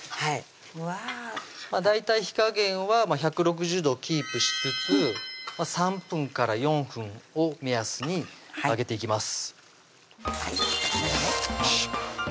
うわぁ大体火加減は１６０度をキープしつつ３分から４分を目安に揚げていきます